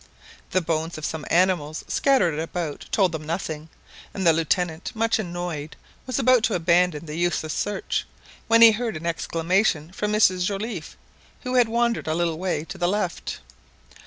The bones of some animals scattered about told them nothing, and the Lieutenant, much annoyed, was about to abandon the useless search, when he heard an exclamation from Mrs Joliffe, who had wandered a little way to the left.